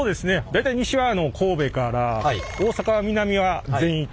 大体西は神戸から大阪は南は全域。